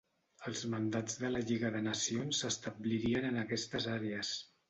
Els mandats de la Lliga de Nacions s'establirien en aquestes àrees.